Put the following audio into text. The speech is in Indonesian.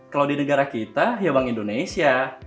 kalau di negara kita ya bank indonesia